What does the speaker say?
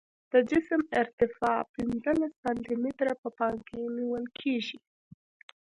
د جسم ارتفاع پنځلس سانتي متره په پام کې نیول کیږي